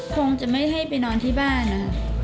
คงจะไม่ให้ไปนอนที่บ้านนะคะ